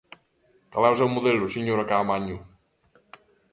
¿Cal é o seu modelo, señora Caamaño?